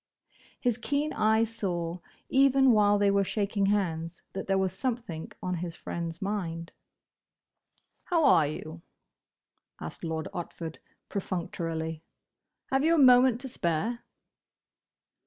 His keen eye saw, even while they were shaking hands, that there was something on his friend's mind. "How are you?" asked Lord Otford, perfunctorily. "Have you a moment to spare?"